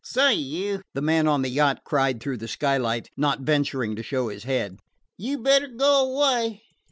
"Say, you," the man on the yacht cried through the skylight, not venturing to show his head. "You 'd better go away."